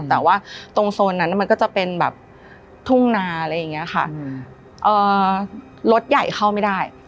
แต่ว่าตรงโซนนั้นมันก็จะเป็นแบบทุ่งนาอะไรอย่างนี้ค่ะรถใหญ่เข้าไม่ได้